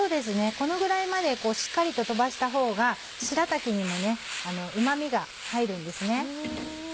このぐらいまでしっかりととばした方がしらたきにもうま味が入るんですね。